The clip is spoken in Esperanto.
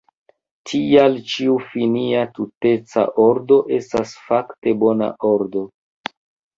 Tial ĉiu finia tuteca ordo estas fakte bona ordo.